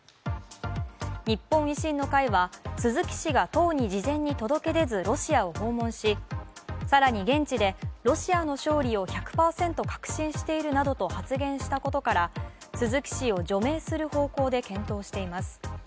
日本維新の会は鈴木氏が党に事前に届け出ず、ロシアを訪問し、更に現地でロシアの勝利を１００％確信しているなどと発言したことから、鈴木氏を除名する方向で検討しています。